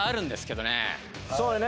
そうよね。